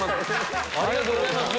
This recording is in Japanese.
ありがとうございます。